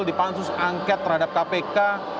di pansus angket terhadap kpk